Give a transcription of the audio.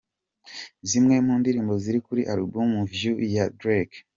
Zimwe mu ndirimbo ziri kuri album "Views" ya Drake.